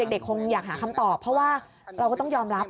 เด็กคงอยากหาคำตอบเพราะว่าเราก็ต้องยอมรับ